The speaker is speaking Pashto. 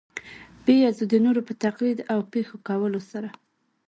بېزو د نورو په تقلید او پېښو کولو سره.